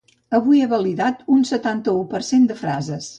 Avui he validat un setanta-u per cent de frases